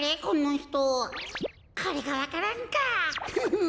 これがわか蘭かフフン。